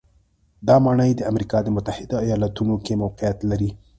دا ماڼۍ د امریکا د متحدو ایالتونو کې موقعیت لري.